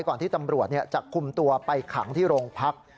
ก่อนที่ตำรวจจะคุมตัวไปขังที่โรงพัก